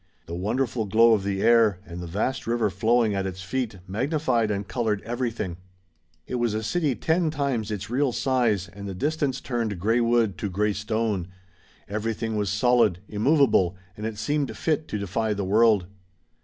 The wonderful glow of the air, and the vast river flowing at its feet, magnified and colored everything. It was a city ten times its real size and the distance turned gray wood to gray stone. Everything was solid, immovable, and it seemed fit to defy the world.